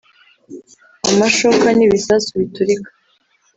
amashoka n’ibisasu biturika